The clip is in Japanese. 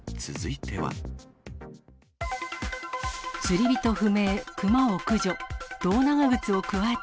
釣り人不明、クマを駆除。